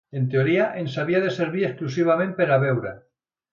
En teoria, ens havia de servir exclusivament per a beure